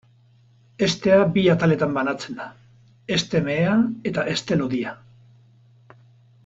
Hestea bi ataletan banatzen da: heste mehea eta heste lodia.